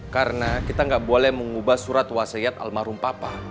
karena kita gak boleh mengubah surat wasiat almarhum papa